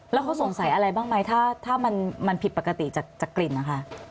แล้วเขาสงสัยอะไรบ้างไหมถ้ามันผิดปกติจากกลิ่นนะคะ